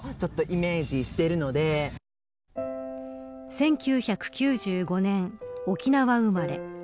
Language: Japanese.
１９９５年、沖縄生まれ。